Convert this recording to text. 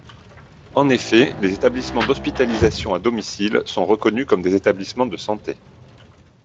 En effet, les établissements d’hospitalisation à domicile sont reconnus comme des établissements de santé.